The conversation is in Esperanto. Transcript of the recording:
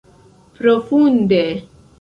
Profunde!